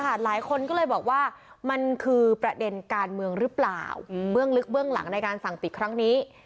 หลายคนก็เลยบอกว่ามันคือประเด็นการเมืองหรือเปล่าเบื้องลึกเบื้องหลังในการสั่งปิดครั้งนี้